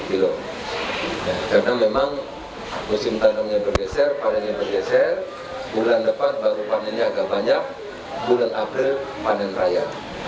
karena memang musim tanamnya bergeser panenya bergeser bulan depan baru panennya agak banyak bulan abril panen raya